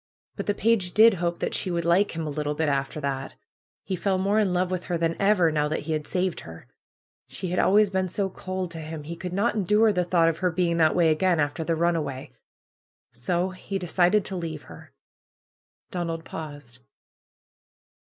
But the page did hope that she would like him a little bit after that. He fell more in love with her than'^ever, now that he had saved her. She had always been so cold to him. He could not endure the thought of her being that way again, after the run away. So he decided to leave her." Donald paused.